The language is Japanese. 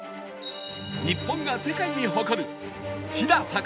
日本が世界に誇る飛騨高山白川